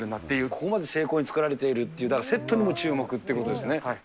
ここまで精巧に作られてるという、だからセットにも注目っていうことですね。